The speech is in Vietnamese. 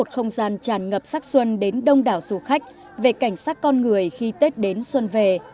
không gian tràn ngập sắc xuân đến đông đảo du khách về cảnh sát con người khi tết đến xuân về